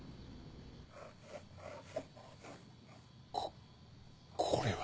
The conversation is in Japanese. ここれは。